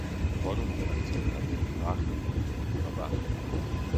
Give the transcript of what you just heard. Forderungen nach zurückhaltender Sprache wurden nicht immer beachtet.